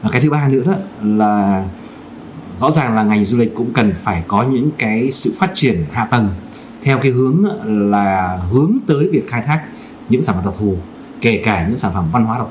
cái thứ ba nữa là rõ ràng là ngành du lịch cũng cần phải có những cái sự phát triển hạ tầng theo cái hướng là hướng tới việc khai thác những sản vật đặc thù kể cả những sản phẩm văn hóa độc đáo